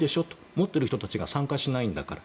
持っている人たちが参加しないんだから。